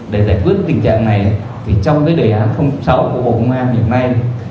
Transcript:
để giải quyết tình trạng này trong đề án sáu của bộ công an hiện nay